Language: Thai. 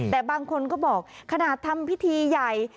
แต่บางคนก็บอกขนาดทำพิธีใหญ่